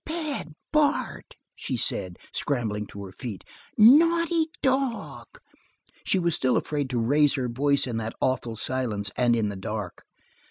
"Bad Bart!" she said, scrambling to her feet. "Naughty dog!" She was still afraid to raise her voice in that awful silence, and in the dark.